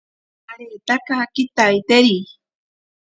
Aretaka kitaiteri.